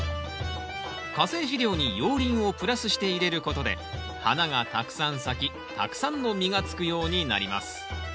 化成肥料に熔リンをプラスして入れることで花がたくさん咲きたくさんの実がつくようになります。